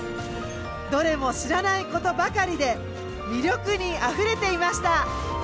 どれも知らないことばかりで魅力にあふれていました。